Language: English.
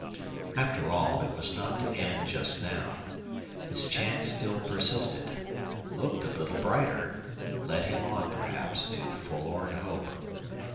After all, it was not to end just now. His chance still persisted looked a little brighter led him on, perhaps, to forlorn hope.